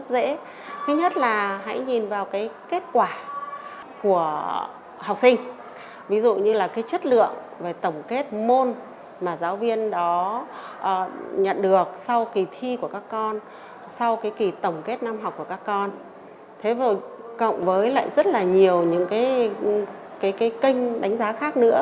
rất là nhiều những cái kênh đánh giá khác nữa